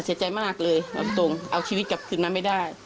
เสียใจมากเลยเอาตรงเอาชีวิตกลับคืนมาไม่ได้